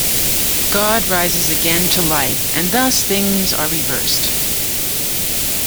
God rises again to life, and thus things are reversed.